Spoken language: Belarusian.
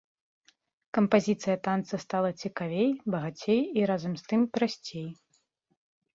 Кампазіцыя танца стала цікавей, багацей і разам з тым прасцей.